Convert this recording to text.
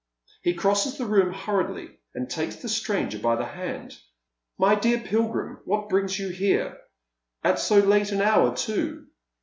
He crosses the room hurriedly, and takes the stranger by the hand. " My dear Pilgrim, what brings you here ? At so late an hour, too."